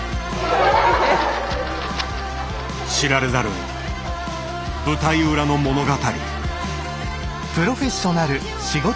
知られざる舞台裏の物語。